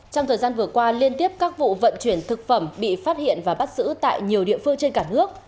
trong thời gian vừa qua liên tiếp các vụ vận chuyển thực phẩm bị phát hiện và bắt giữ tại nhiều địa phương trên cả nước